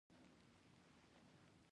دی د پاچاهانو پاچا و.